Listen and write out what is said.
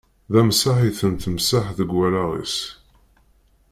D amsaḥ i ten-temsaḥ deg wallaɣ-is.